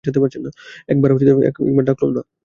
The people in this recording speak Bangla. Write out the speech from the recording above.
একবার ডাককলোও না।